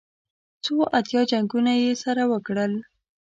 څو اتیا جنګونه یې سره وکړل.